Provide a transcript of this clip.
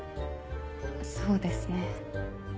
そうですね。